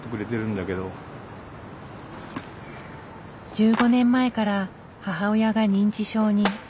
１５年前から母親が認知症に。